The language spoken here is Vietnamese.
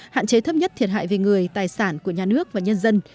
hạn chế thấp nhất thiệt hại về người tài sản của nhà nước và nhân dân